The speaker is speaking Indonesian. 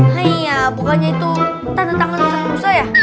haiyaa bukannya itu tanda tangan ustadz musa ya